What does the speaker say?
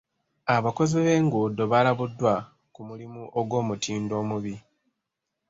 Abakozi b'enguudo balabuddwa ku mulimu ogw'omutindo omubi.